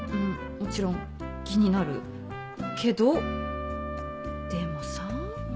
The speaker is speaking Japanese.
もちろん気になるけどでもさ。